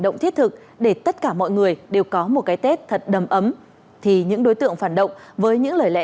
đón thêm nhiều mùa xuân an vui